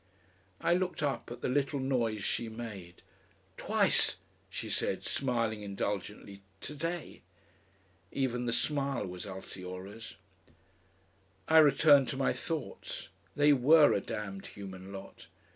I looked up at the little noise she made. "TWICE!" she said, smiling indulgently, "to day!" (Even the smile was Altiora's.) I returned to my thoughts. They WERE a damned human lot.